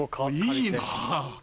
いいなぁ。